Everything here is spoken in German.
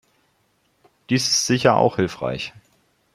Dies ist sicher auch hilfreich.